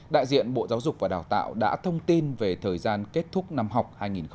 đại diện bộ giáo dục và đào tạo đã thông tin về thời gian kết thúc năm học hai nghìn hai mươi